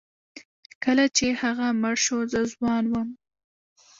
کله چې هغه مړ شو زه ځوان وم.